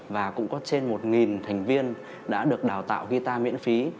và cũng có trên một thành viên đã được đào tạo guitar miễn phí